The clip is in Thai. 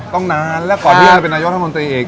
อ๋อต้องนานแล้วก่อนนี้เป็นนายท่านมนตรีเอก